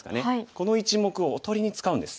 この１目をおとりに使うんです。